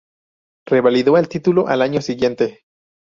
Revalidó el título al año siguiente.